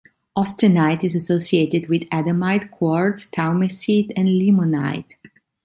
Austinite is associated with adamite, quartz, talmessite and limonite.